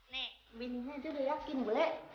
nih bininya aja udah yakin boleh